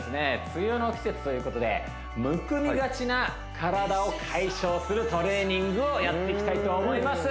梅雨の季節ということでむくみがちな体を解消するトレーニングをやっていきたいと思います